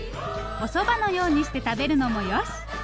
おそばのようにして食べるのもよし。